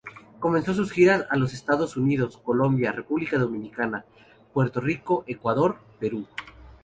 Comenzó sus giras a los Estados Unidos, Colombia, República Dominicana, Puerto Rico, Ecuador, Perú.